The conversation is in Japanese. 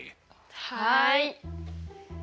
はい！